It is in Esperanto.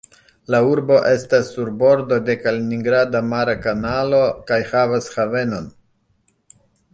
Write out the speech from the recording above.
La urbo estas sur bordo de Kaliningrada mara kanalo kaj havas havenon.